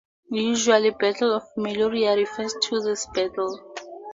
Usually, "Battle of Meloria" refers to this battle.